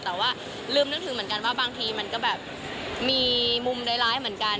แต่ว่าในเกิดลืมนึกถึงบางทีก็มีมุมห์ใดหลายเหมือนกัน